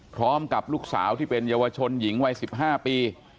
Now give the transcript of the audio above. พร้อมกับลูกสาวที่เป็นเยาวชนหญิงวัย๑๕ปี